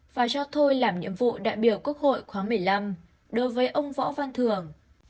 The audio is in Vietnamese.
và cho thôi làm nhiệm vụ đại biểu quốc hội khóa một mươi năm đối với ông võ văn thường